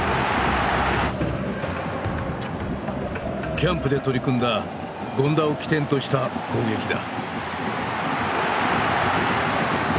キャンプで取り組んだ権田を起点とした攻撃だ。